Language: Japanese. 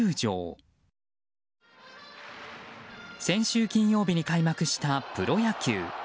先週金曜日に開幕したプロ野球。